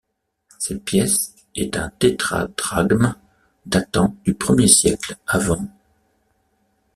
Cette pièce est un tétradrachme datant du Ier siècle av.